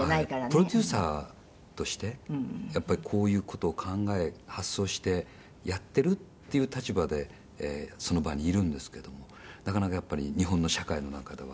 谷村：プロデューサーとしてこういう事を考え、発想してやってるっていう立場でその場にいるんですけれどもなかなか、やっぱり日本の社会の中では。